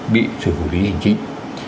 bị sử dụng hình chính